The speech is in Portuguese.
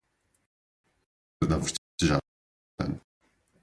Neste carnaval eu vou festejar bastante.